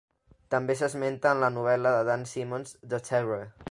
També s'esmenta en la novel·la de Dan Simmons, "The Terror".